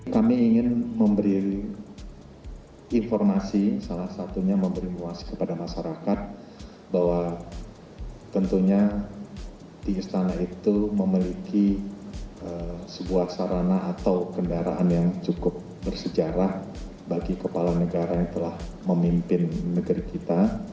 kami ingin memberi informasi salah satunya memberi informasi kepada masyarakat bahwa tentunya di istana itu memiliki sebuah sarana atau kendaraan yang cukup bersejarah bagi kepala negara yang telah memimpin negeri kita